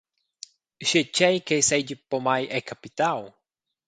Sche tgei ch’ei seigi pomai è capitau?